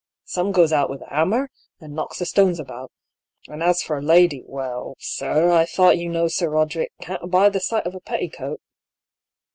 Some goes out with a hammer, and knocks the stones about. And as for a lady — well, sir, I suppose you know Sir Roderick can't abide the sight of a petticoat?